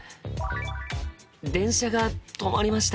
電車が止まりました。